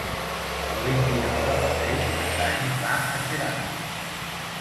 El vint-i-nou de febrer na Tanit va a Xeraco.